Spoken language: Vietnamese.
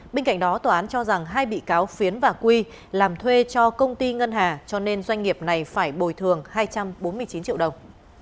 bên cạnh đó tòa án cho rằng hai bị cáo phiến và quy làm thuê cho công ty ngân hà cho nên doanh nghiệp này phải bồi thường hai trăm bốn mươi chín triệu đồng